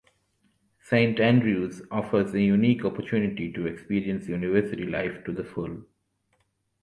Saint Andrew's offers a unique opportunity to experience University life to the full.